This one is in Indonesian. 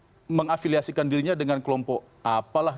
tanpa dia harus mengafiliasikan dirinya dengan kelompok apalah